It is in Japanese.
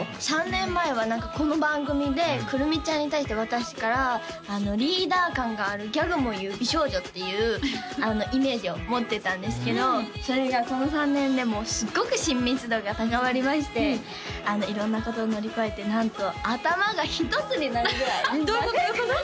３年前は何かこの番組でくるみちゃんに対して私からリーダー感があるギャグも言う美少女っていうイメージを持ってたんですけどそれがこの３年でもうすごく親密度が高まりまして色んなことを乗り越えてなんと頭が一つになるぐらいどういうこと？